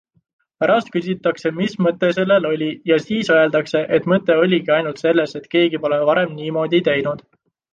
Pärast küsitakse, mis mõte sellel oli, ja siis öeldakse, et mõte oligi ainult selles, et keegi pole varem niimoodi teinud.